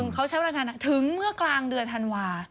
เขาใช้เวลานานถึงเมื่อกลางเดือนธันวา